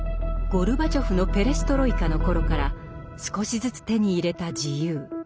ゴルバチョフのペレストロイカの頃から少しずつ手に入れた「自由」。